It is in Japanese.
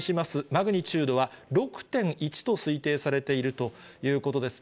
マグニチュードは６．１と推定されているということです。